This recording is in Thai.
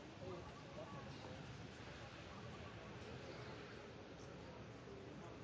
สวัสดีครับ